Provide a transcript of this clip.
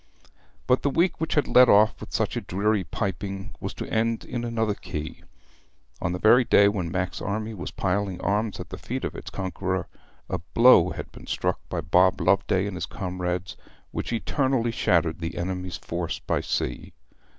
But the week which had led off with such a dreary piping was to end in another key. On the very day when Mack's army was piling arms at the feet of its conqueror, a blow had been struck by Bob Loveday and his comrades which eternally shattered the enemy's force by sea.